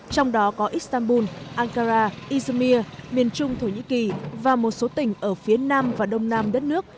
trong đó có istanbul ankara isumir miền trung thổ nhĩ kỳ và một số tỉnh ở phía nam và đông nam đất nước